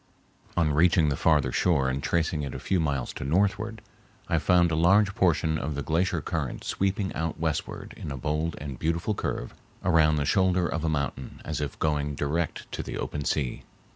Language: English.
On reaching the farther shore and tracing it a few miles to northward, I found a large portion of the glacier current sweeping out westward in a bold and beautiful curve around the shoulder of a mountain as if going direct to the open sea.